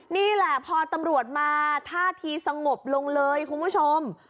นี่แหละพอตำรวจมาท่าทีสงบลงเลยคุณผู้ชม